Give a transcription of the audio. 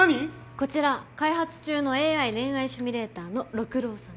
こちら開発中のＡＩ恋愛シミュレーターの六郎さん。